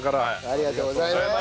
ありがとうございます。